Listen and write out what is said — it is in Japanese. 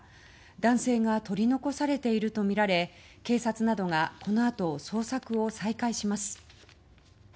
男性が取り残されているとみられ警察などがこのあと捜索を再開します。